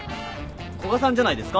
古賀さんじゃないですか？